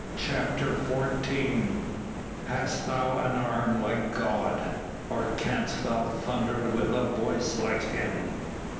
CHAPTER XIV "Hast thou an arm like God? or canst thou thunder with a voice like him."